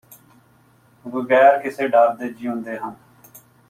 ਵਗੈਰ ਕਿਸੇ ਡਰ ਦੇ ਜਿਉਂਦੇ ਹਨ